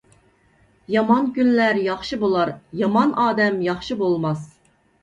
يامان كۈنلەر ياخشى بولار، يامان ئادەم ياخشى بولماس.